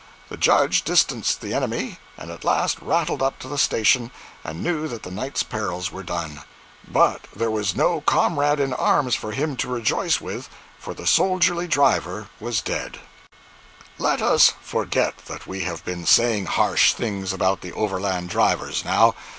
The Judge distanced the enemy and at last rattled up to the station and knew that the night's perils were done; but there was no comrade in arms for him to rejoice with, for the soldierly driver was dead. 148.jpg (43K) Let us forget that we have been saying harsh things about the Overland drivers, now.